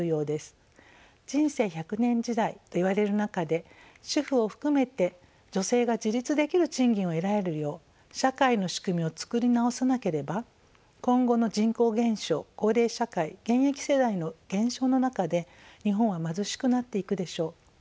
人生１００年時代といわれる中で主婦を含めて女性が自立できる賃金を得られるよう社会の仕組みをつくり直さなければ今後の人口減少高齢社会現役世代の減少の中で日本は貧しくなっていくでしょう。